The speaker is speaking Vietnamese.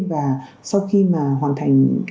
và sau khi mà hoàn thành